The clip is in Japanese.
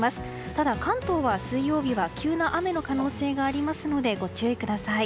ただ、関東は水曜日急な雨の可能性がありますのでご注意ください。